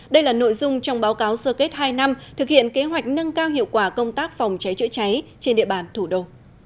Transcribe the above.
đây là nội dung trong báo cáo sơ kết hai năm thực hiện kế hoạch nâng cao hiệu quả công tác phòng cháy chữa cháy trên địa bàn thủ đô